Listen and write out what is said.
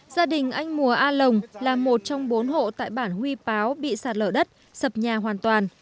gia đình anh mùa a lồng là một trong bốn hộ tại bản huy báo bị sạt lở đất sập nhà hoàn toàn